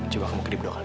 juga kamu kedip dua kali